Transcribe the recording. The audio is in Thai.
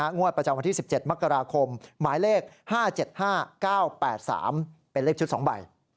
งวดประจำวันที่๑๗มกราคมหมายเลข๕๗๕๙๘๓เป็นเลขชุด๒ใบ